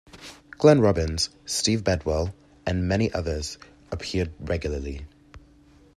Glenn Robbins, Steve Bedwell and many others appeared regularly.